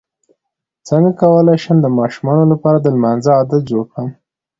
څنګه کولی شم د ماشومانو لپاره د لمانځه عادت جوړ کړم